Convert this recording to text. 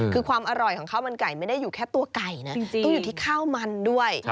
คือความอร่อยของข้าวมันไก่ไม่ได้อยู่แค่ตัวไก่นะต้องอยู่ที่ข้าวมันด้วย